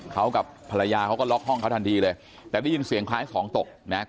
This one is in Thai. เขากับภรรยาเขาก็ล็อกห้องเขาทันทีเลยแต่ได้ยินเสียงคล้ายของตกนะ